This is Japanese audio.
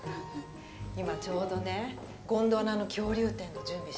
今ちょうどね「ゴンドワナの恐竜展」の準備してるところ。